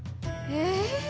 え。